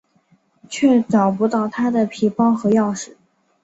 却找不到她的皮包和钥匙。